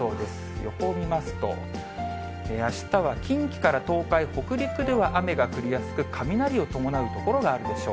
予報見ますと、あしたは近畿から東海、北陸では雨が降りやすく、雷を伴う所があるでしょう。